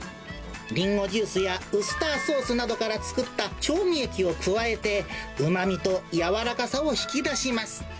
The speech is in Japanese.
リンゴジュースやウスターソースなどから作った調味液を加えて、うまみと軟らかさを引き出します。